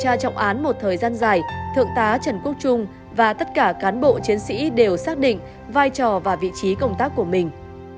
khi đối tượng được điều tra trong án một thời gian dài thượng tá trần quốc trung và tất cả cán bộ chiến sĩ đều xác định vai trò và vị trí công tác của mình